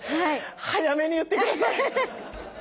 早めに言って下さい。